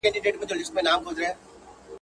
o د گران رانيول څه دي، د ارزان خرڅول څه دي.